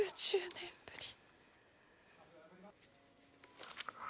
９０年ぶり。